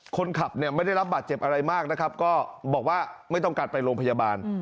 คนขับเนี่ยไม่ได้รับบาดเจ็บอะไรมากนะครับก็บอกว่าไม่ต้องการไปโรงพยาบาล